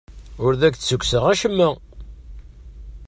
Ur ak-d-ssukkseɣ acemma.